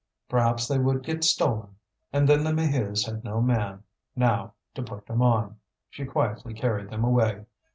Perhaps they would get stolen. And then the Maheus had no man, now, to put them on. She quietly carried them away.